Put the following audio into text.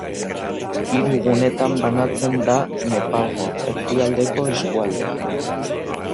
Hiru gunetan banatzen da Nepalgo Erdialdeko eskualdea.